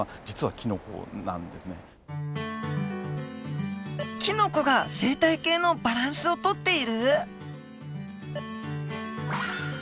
キノコが生態系のバランスを取っている？